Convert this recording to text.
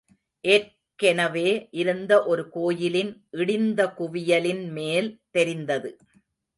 ஏற்கெனவே இருந்த ஒரு கோயிலின் இடிந்த குவியலின் மேல் தெரிந்தது.